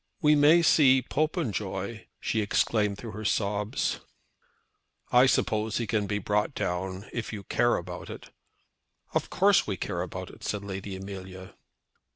"We may see Popenjoy!" she exclaimed through her sobs. "I suppose he can be brought down, if you care about it." "Of course we care about it," said Lady Amelia.